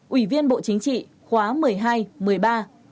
ủy viên bộ chính trị khóa một mươi hai một mươi ba